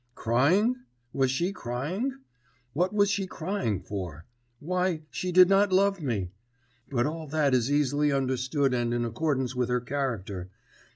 'Crying?... Was she crying?... What was she crying for? Why, she did not love me! But all that is easily understood and in accordance with her character.